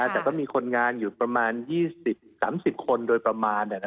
แต่ก็มีคนงานอยู่ประมาณ๒๐๓๐คนโดยประมาณ